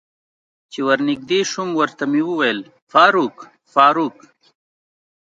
چې ور نږدې شوم ورته مې وویل: فاروق، فاروق.